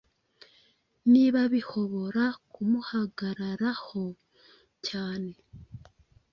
Niba bihobora kumuhagararaho cyane